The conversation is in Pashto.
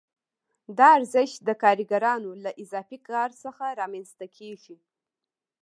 دا ارزښت د کارګرانو له اضافي کار څخه رامنځته کېږي